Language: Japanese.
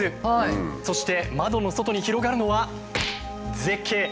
そして窓の外に広がるのは絶景。